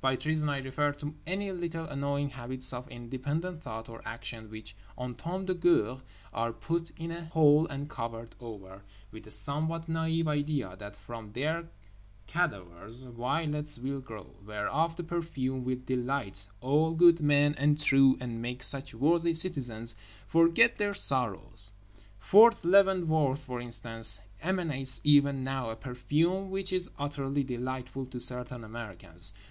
By treason I refer to any little annoying habits of independent thought or action which en temps de guerre are put in a hole and covered over, with the somewhat naïve idea that from their cadavers violets will grow, whereof the perfume will delight all good men and true and make such worthy citizens forget their sorrows. Fort Leavenworth, for instance, emanates even now a perfume which is utterly delightful to certain Americans.